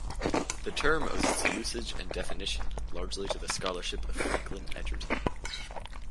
The term owes its usage and definition largely to the scholarship of Franklin Edgerton.